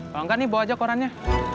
kalau nggak nih bawa aja korannya